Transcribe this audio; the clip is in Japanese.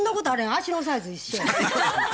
足のサイズ一緒や。